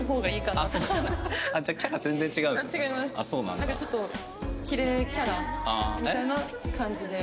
なんかちょっとキレイキャラみたいな感じで。